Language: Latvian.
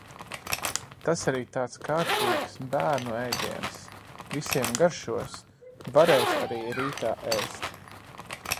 Tas arī tāds kārtīgs bērnu ēdiens, visiem garšos, varēs arī rītā ēst.